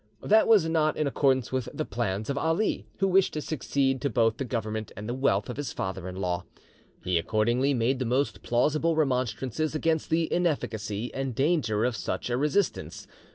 That was not in accordance with the plans of Ali, who wished to succeed to both the government and the wealth of his father in law. He accordingly made the most plausible remonstrances against the inefficacy and danger of such a resistance.